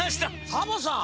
サボさん！